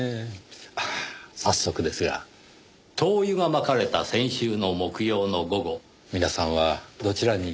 ああ早速ですが灯油が撒かれた先週の木曜の午後皆さんはどちらに？